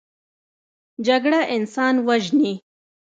جګړه انسان وژني